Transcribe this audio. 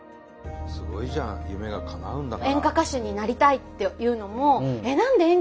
すごいじゃん夢がかなうんだから。